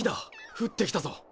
降ってきたぞ。